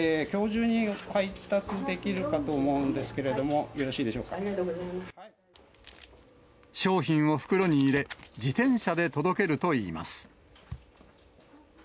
きょう中に配達できるかと思うんですけれども、よろしいでしょう商品を袋に入れ、自転車で届けるといいます。